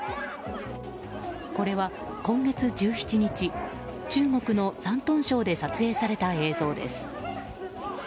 これは今月１７日中国の山東省で撮影された映像です。